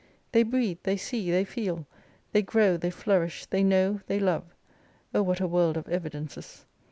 They breathe, they see, they feel, they grow, they flourish, they know, they love. O what a world of evidences